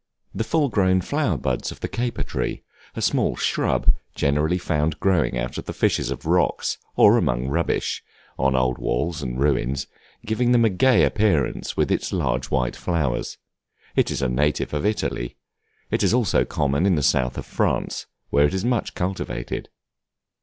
The full grown flower buds of the Caper Tree, a small shrub, generally found growing out of the fissures of rocks, or among rubbish, on old walls and ruins, giving them a gay appearance with its large white flowers. It is a native of Italy: it is also common in the south of France, where it is much cultivated.